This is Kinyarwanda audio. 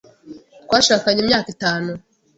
Twashakanye imyaka itanu.